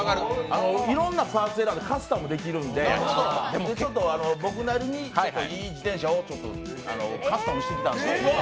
いろんなものがカスタムできるので、僕なりにいい自転車をカスタムしてきたんで。